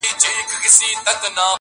هم د بابا، هم د نیکه، حماسې هېري سولې،